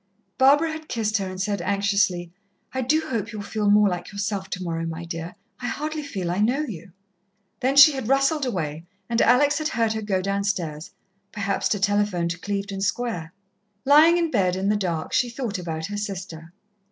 Barbara had kissed her and said anxiously, "I do hope you'll feel more like yourself tomorrow, my dear. I hardly feel I know you." Then she had rustled away, and Alex had heard her go downstairs, perhaps to telephone to Clevedon Square. Lying in bed in the dark, she thought about her sister.